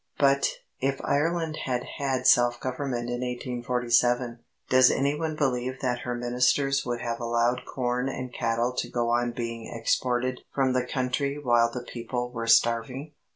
But, if Ireland had had self government in 1847, does any one believe that her Ministers would have allowed corn and cattle to go on being exported from the country while the people were starving?